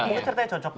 mungkin ceritanya cocok